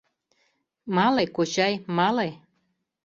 — Мале, кочай, мале...